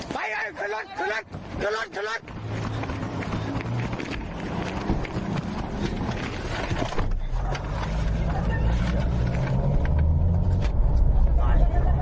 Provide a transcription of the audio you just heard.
ไปเฮ้ยขลัดขลัดขลัดขลัด